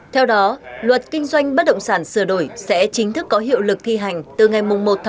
theo đó luật kinh doanh bất động sản sửa đổi sẽ chính thức có hiệu lực thi hành từ ngày một một hai nghìn hai mươi năm